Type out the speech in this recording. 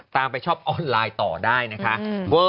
ตามไปชอบออนไลน์ต่อได้นะคะ